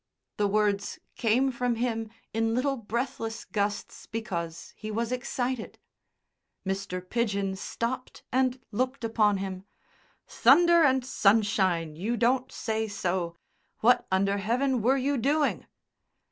The words came from him in little breathless gusts because he was excited. Mr. Pidgen stopped and looked upon him. "Thunder and sunshine! You don't say so! What under heaven were you doing?"